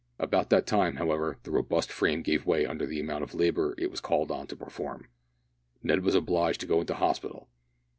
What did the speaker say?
About that time, however, the robust frame gave way under the amount of labour it was called on to perform. Ned was obliged to go into hospital.